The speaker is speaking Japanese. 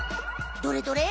どれどれ？